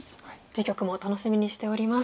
次局も楽しみにしております。